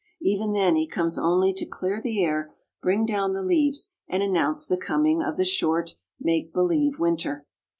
Even then he comes only to clear the air, bring down the leaves, and announce the coming of the short, make believe winter.